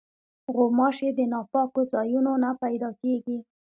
غوماشې د ناپاکو ځایونو نه پیدا کېږي.